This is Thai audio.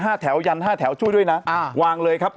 แถวยันห้าแถวช่วยด้วยนะอ่าวางเลยครับ